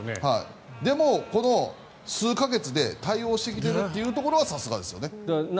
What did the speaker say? でも、この数か月で対応してきてるってところはさすがですね。